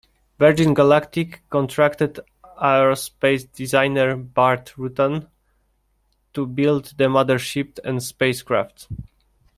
Virgin Galactic contracted aerospace designer Burt Rutan to build the mothership and spacecraft.